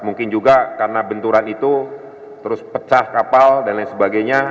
mungkin juga karena benturan itu terus pecah kapal dan lain sebagainya